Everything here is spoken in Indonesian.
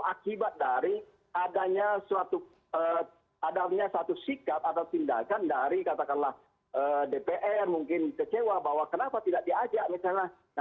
akibat dari adanya suatu adanya satu sikap atau tindakan dari katakanlah dpr mungkin kecewa bahwa kenapa tidak diajak misalnya